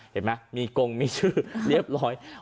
เห็นไหมมีกงมีชื่อเรียบร้อย